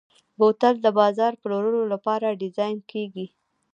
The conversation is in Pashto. بوتل د بازار پلورلو لپاره ډیزاین کېږي.